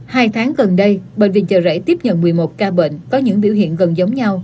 hai tháng gần đây bệnh viện chợ rẫy tiếp nhận một mươi một ca bệnh có những biểu hiện gần giống nhau